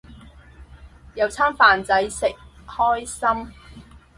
有餐飯仔食，開心